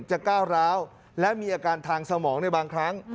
ก้าวร้าวและมีอาการทางสมองในบางครั้ง